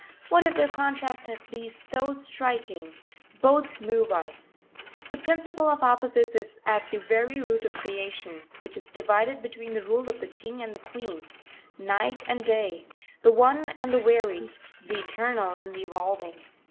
What if their contrast be so striking both move us. This principle of opposites is at the very root of creation, which is divided between the rule of the King and the Queen; Night and Day; the One and the Varied; the Eternal and the Evolving.